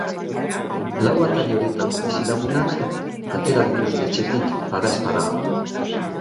Lau atari horietako bizilagunak atera dituzte etxetik, badaezpada.